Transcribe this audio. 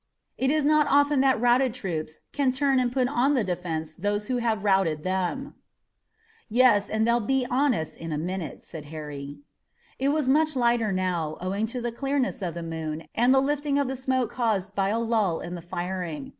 It is not often that routed troops can turn and put on the defense those who have routed them." "Yes, and they'll be on us in a minute," said Harry. It was much lighter now, owing to the clearness of the moon and the lifting of the smoke caused by a lull in the firing.